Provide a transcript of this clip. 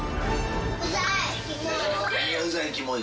うざい！